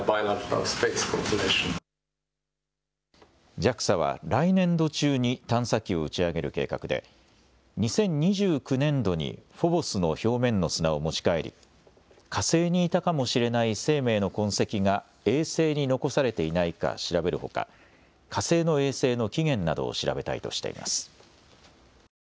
ＪＡＸＡは来年度中に探査機を打ち上げる計画で２０２９年度にフォボスの表面の砂を持ち帰り火星にいたかもしれない生命の痕跡が衛星に残されていないか調べるほか火星の衛星の起源などを調べたいとしています。